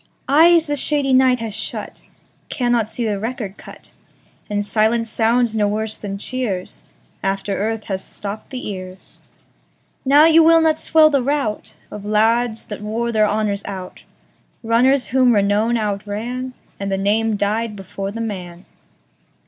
Eyes the shady night has shutCannot see the record cut, And silence sounds no worse than cheersAfter earth has stopped the ears:Now you will not swell the routOf lads that wore their honours out, Runners whom renown outranAnd the name died before the man.